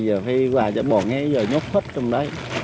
giờ phải qua bộ ngay nhốt hết trong đây